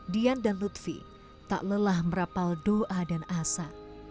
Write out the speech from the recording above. dian dan lutfi tak lelah merapal doa dan asa